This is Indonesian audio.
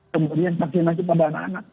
kemudian vaksinasi pada anak anak